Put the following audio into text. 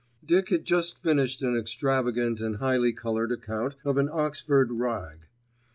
Dick had just finished an extravagant and highly coloured account of an Oxford "rag."